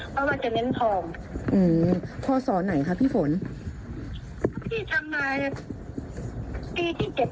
เพราะว่าจะเน้นทองอืมพศไหนคะพี่ฝนพี่ทำมาปีที่เจ็ด